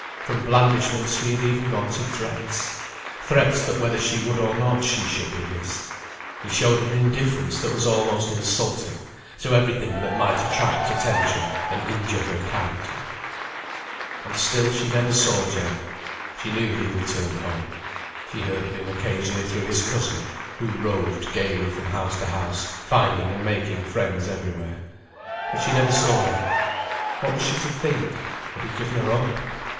From blandishments he had even gone to threats threats that whether she would or not she should be his; he showed an indifference that was almost insulting to every thing that might attract attention and injure her character. [Footnote 44: "Knob sticks," those who consent to work at lower wages.] And still she never saw Jem. She knew he had returned home. She heard of him occasionally through his cousin, who roved gaily from house to house, finding and making friends everywhere. But she never saw him. What was she to think? Had he given her up?